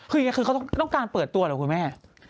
คืออย่างนี้คือเขาต้องการเปิดตัวเหรอคุณแม่